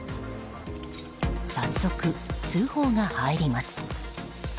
早速、通報が入ります。